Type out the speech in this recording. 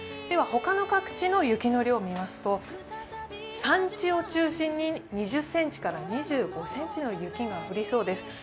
では、他の各地の雪の量を見ますと産地を中心に２０ｃｍから２５ｃｍの雪が降りそうです。